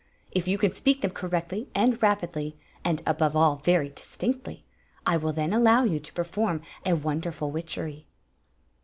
If you can speak them cor rectly and rapidly, and above all very distinctly, I will then allow you to perform a wonderful witchery."